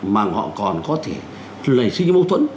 mà họ còn có thể lấy sinh mâu thuẫn